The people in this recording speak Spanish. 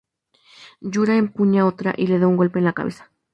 Yura empuña otra y le da un golpe en la cabeza.